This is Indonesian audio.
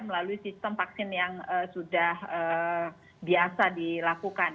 melalui sistem vaksin yang sudah biasa dilakukan